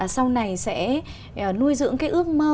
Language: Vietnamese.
sau này sẽ nuôi dưỡng cái ước mơ